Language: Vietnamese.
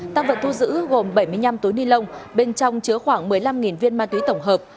tăng vật thu giữ gồm bảy mươi năm túi ni lông bên trong chứa khoảng một mươi năm viên ma túy tổng hợp